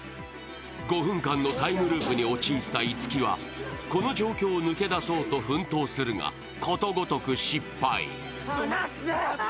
５分間のタイムループに陥った樹はこの状況を抜けだそうと奮闘するがことごとく失敗。